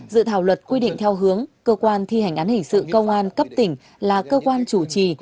dự thảo luật quy định theo hướng cơ quan thi hành án hình sự công an cấp tỉnh là cơ quan chủ trì